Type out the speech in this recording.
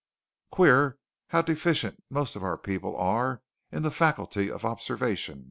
"Queer how deficient most of our people are in the faculty of observation!"